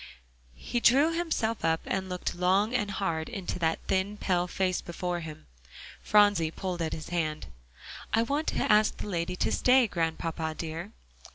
He drew himself up and looked long and hard into the thin pale face before him. Phronsie pulled at his hand. "I want to ask the lady to stay, Grandpapa dear."